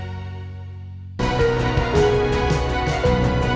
anda engkau sendiri yang ada di jalan ini